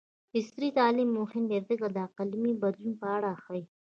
عصري تعلیم مهم دی ځکه چې د اقلیم بدلون په اړه ښيي.